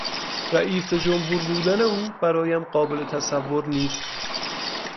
رییس جمهور بودن او برایم قابل تصور نیست.